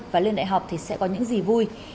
và lên đại học thì sẽ có những gì vui